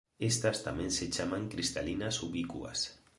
Estas tamén se chaman cristalinas ubicuas.